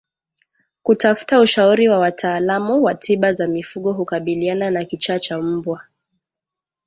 Kutafuta ushauri wa wataalamu wa tiba za mifugo hukabiliana na kichaa cha mbwa